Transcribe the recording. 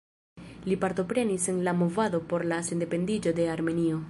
Li partoprenis en la movado por la sendependiĝo de Armenio.